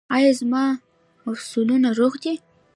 ایا زما مفصلونه روغ دي؟